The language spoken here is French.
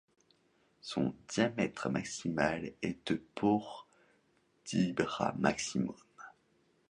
Son diamètre maximal est de pour dix bras maximum.